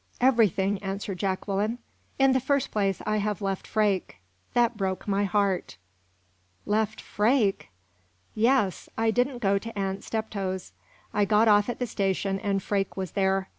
"Everything!" answered Jacqueline. "In the first place, I have left Freke. That broke my heart!" "Left Freke!" "Yes. I didn't go to Aunt Steptoe's. I got off at the station and Freke was there.